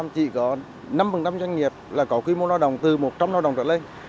chỉ có năm doanh nghiệp là có quy mô lao động từ một trăm linh lao động trở lên